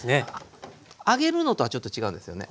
揚げるのとはちょっと違うんですよね。